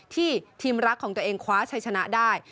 ทีมรักของตัวเองคว้าชัยชนะได้